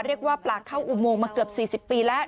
เรียกว่าปลาเข้าอุโมงมาเกือบ๔๐ปีแล้ว